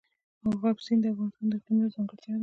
مورغاب سیند د افغانستان د اقلیم یوه ځانګړتیا ده.